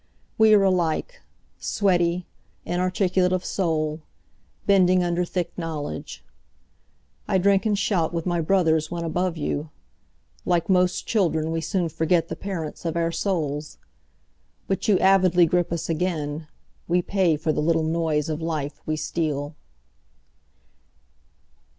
We are alike—sweaty, inarticulate of soul, bending under thick knowledge.I drink and shout with my brothers when above you—Like most children we soon forget the parents of our souls. But you avidly grip us again—we pay for the little noise of life we steal.